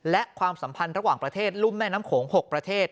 และความสัมพันธ์ระหว่างประเทศรุ่มแม่น้ำโขง๖ประเทศ